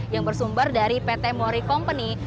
yang bersumber dari pt mori company